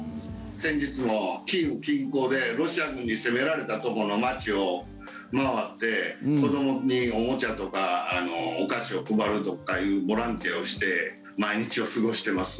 先日も、キーウ近郊でロシア軍に攻められたところの街を回って子どもに、おもちゃとかお菓子を配るとかいうボランティアをして毎日を過ごしています。